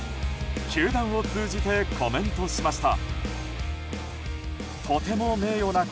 球団を通じてコメントしました。